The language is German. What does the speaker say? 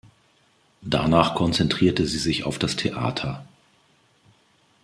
Danach konzentrierte sie sich auf das Theater.